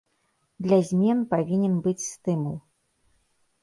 Для змен павінен быць стымул.